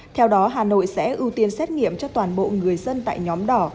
theo đó hà nội sẽ ưu tiên xét nghiệm cho toàn bộ người dân tại nhóm đỏ